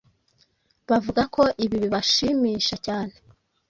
bavuga ko ibi bibashimisha cyane